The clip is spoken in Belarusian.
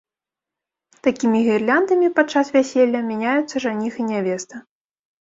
Такімі гірляндамі падчас вяселля мяняюцца жаніх і нявеста.